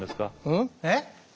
うん？えっ？